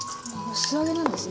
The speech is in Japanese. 素揚げなんですね。